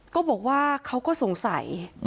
ก็บอกว่าเขาก็สงสัย